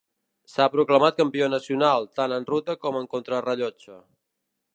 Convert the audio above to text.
S'ha proclamat campió nacional, tant en ruta com en contrarellotge.